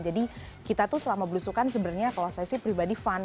jadi kita tuh selama blusukan sebenarnya kalau saya sih pribadi fun